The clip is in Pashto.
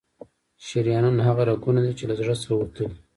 شریانونه هغه رګونه دي چې له زړه څخه وتلي.